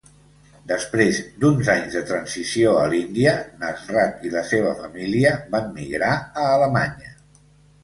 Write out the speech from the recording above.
Després d'uns anys de transició a l'Índia, Nasrat i la seva família van migrar a Alemanya.